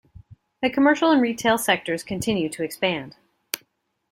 The commercial and retail sectors continue to expand.